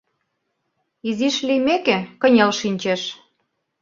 Изиш лиймеке, кынел шинчеш.